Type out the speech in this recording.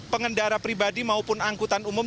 pengendara pribadi maupun angkutan umum